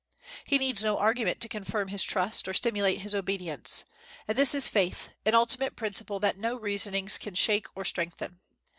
He needs no arguments to confirm his trust or stimulate his obedience. And this is faith, an ultimate principle that no reasonings can shake or strengthen.